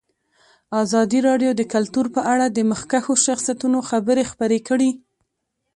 ازادي راډیو د کلتور په اړه د مخکښو شخصیتونو خبرې خپرې کړي.